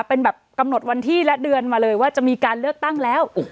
เป็นแบบกำหนดวันที่และเดือนมาเลยว่าจะมีการเลือกตั้งแล้ว